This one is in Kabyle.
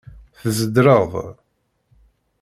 Tzedreḍ.